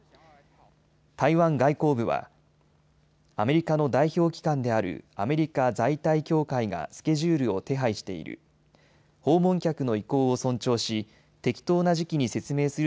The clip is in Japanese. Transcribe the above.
台湾外交部は、アメリカの代表機関であるアメリカ在台協会がスケジュールを手配している。